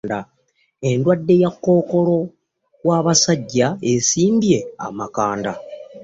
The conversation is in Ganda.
Endwadde ya kkookolo w'abasajja esimbye amakanda.